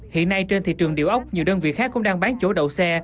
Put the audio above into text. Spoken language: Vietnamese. hiện nay trên thị trường điều ốc nhiều đơn vị khác cũng đang bán chỗ đậu xe